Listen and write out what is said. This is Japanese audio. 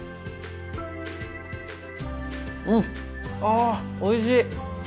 うんあおいしい！